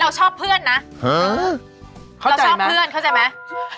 เราชอบเพื่อนเข้าใจไหม